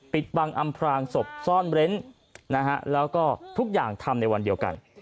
ปิดบังอำพรางศพซ่อนเร้นนะฮะแล้วก็ทุกอย่างทำในวันเดียวกัน